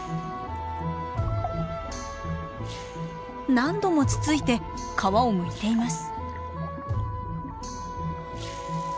何度もつついて皮をむいています。